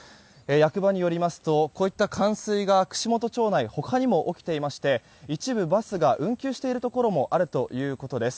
役場によりますとこういった冠水が串本町内他にも起きてしまっていて一部バスが運休しているところもあるということです。